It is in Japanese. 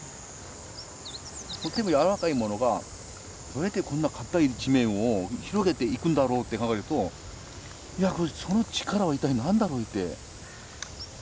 とっても柔らかいものがどうやってこんな固い地面を広げていくんだろうって考えるといやその力は一体何だろうって。